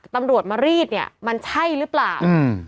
ตำรวจมารีดเนี่ยมันใช่หรือเปล่า